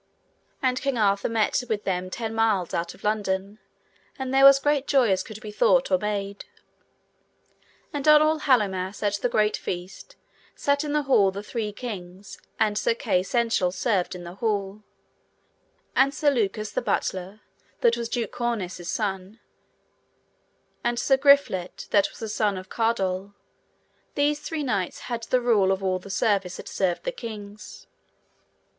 And King Arthur met with them ten mile out of London, and there was great joy as could be thought or made. And on All Hallowmass at the great feast, sat in the hall the three kings, and Sir Kay seneschal served in the hall, and Sir Lucas the butler, that was Duke Corneus' son, and Sir Griflet, that was the son of Cardol, these three knights had the rule of all the service that served the kings.